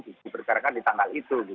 diperkirakan di tanggal itu